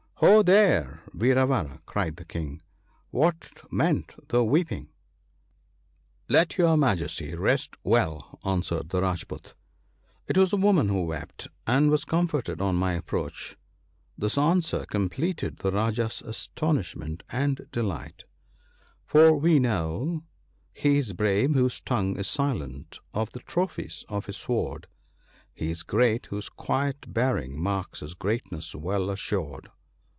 * Ho ! there, Vira vara !' cried the King, ' what meant the weeping ?'* Let your Majesty rest well !' answered the Rajpoot, * it was a woman who wept, and was comforted on my approach.' This answer completed the Rajah's astonish ment and delight ; for we know —" He is brave whose tongue is silent of the trophies of his sword ; He is great whose quiet bearing marks his greatness well assured."